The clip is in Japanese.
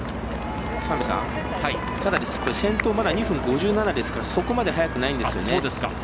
ただ先頭、２分５７ですからそこまで速くないんですよね。